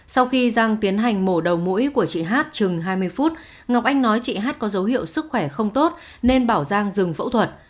sau khi giang tiến hành mổ đầu mũi của chị hát chừng hai mươi phút ngọc anh nói chị hát có dấu hiệu sức khỏe không tốt nên bảo giang dừng phẫu thuật